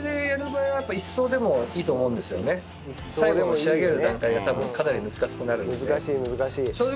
最後仕上げる段階が多分かなり難しくなるんで。